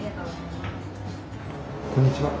こんにちは。